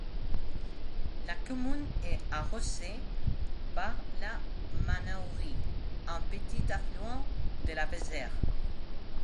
La commune est arrosée par le Manaurie, un petit affluent de la Vézère.